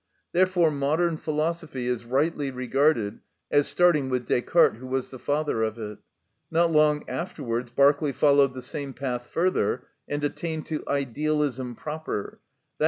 Therefore modern philosophy is rightly regarded as starting with Descartes, who was the father of it. Not long afterwards Berkeley followed the same path further, and attained to idealism proper, _i.